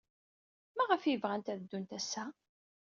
Maɣef ay bɣant ad ddunt ass-a?